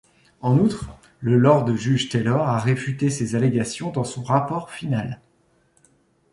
En outre, le lord juge Taylor a réfuté ces allégations dans son rapport final.